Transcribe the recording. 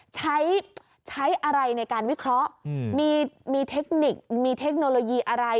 ใช้ใช้อะไรในการวิเคราะห์มีเทคนิคมีเทคโนโลยีอะไร